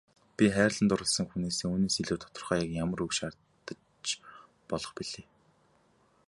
Би хайрлан дурласан хүнээсээ үүнээс илүү тодорхой ямар үг шаардаж болох билээ.